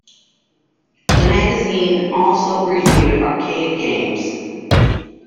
The magazine also reviewed arcade games.